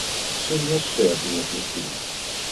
Чым яшчэ адметны фільм?